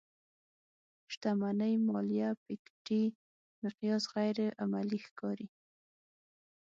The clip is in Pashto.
شتمنۍ ماليه پيکيټي مقیاس غیر عملي ښکاري.